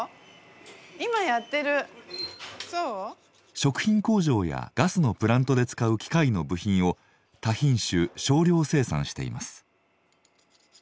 食品工場やガスのプラントで使う機械の部品を多品種少量生産しています。